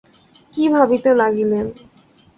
কী ভাবিতে লাগিলেন।